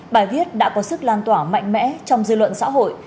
bài viết đã có sức lan tỏa mạnh mẽ trong dư luận xã hội